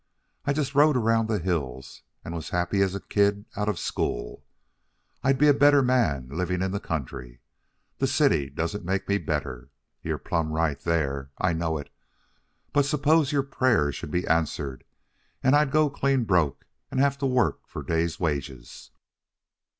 I just rode around the hills, and was happy as a kid out of school. I'd be a better man living in the country. The city doesn't make me better. You're plumb right there. I know it. But suppose your prayer should be answered and I'd go clean broke and have to work for day's wages?"